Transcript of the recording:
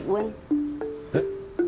えっ？